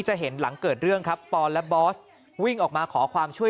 จะเห็นหลังเกิดเรื่องครับปอนและบอสวิ่งออกมาขอความช่วยเหลือ